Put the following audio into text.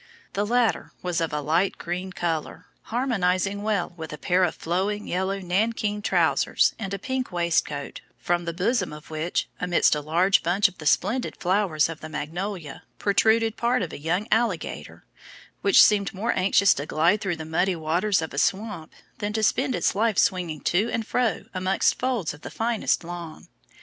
The latter was of a light green colour, harmonising well with a pair of flowing yellow nankeen trousers, and a pink waistcoat, from the bosom of which, amidst a large bunch of the splendid flowers of the magnolia, protruded part of a young alligator, which seemed more anxious to glide through the muddy waters of a swamp than to spend its life swinging to and fro amongst folds of the finest lawn.